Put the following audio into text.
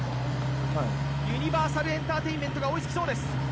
ユニバーサルエンターテインメントが追いつきそうです。